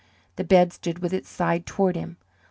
The bed stood with its side toward him.